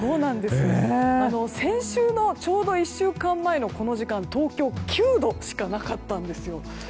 先週のちょうど１週間前のこの時間東京９度しかなかったんですよ。